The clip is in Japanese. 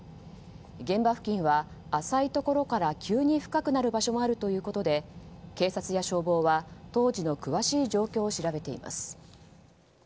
現場付近は浅いところから急に深くなる場所もあるということで警察や消防は当時の詳しい状況を調べています。